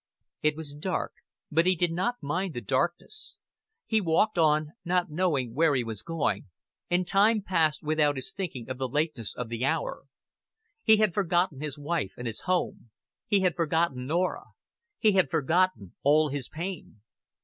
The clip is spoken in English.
It was dark, but he did not mind the darkness. He walked on, not knowing where he was going, and time passed without his thinking Of the lateness of the hour. He had forgotten his wife and his home; he had forgotten Norah; he had forgotten all his pain.